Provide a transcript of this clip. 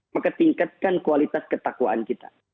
maka tingkatkan kualitas ketakwaan kita